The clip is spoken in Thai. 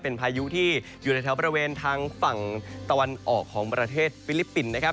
เป็นพายุที่อยู่ในแถวบริเวณทางฝั่งตะวันออกของประเทศฟิลิปปินส์นะครับ